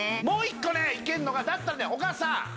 もう１個ねいけんのがだったらねお母さん！